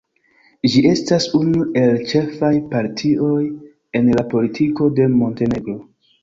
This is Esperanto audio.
Ĝi estas unu el ĉefaj partioj en la politiko de Montenegro.